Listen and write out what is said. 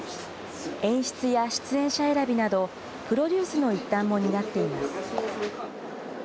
演出や出演者選びなど、プロデュースの一端も担っています。